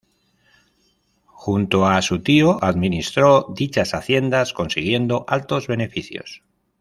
Junto a su tío administró dichas haciendas consiguiendo altos beneficios.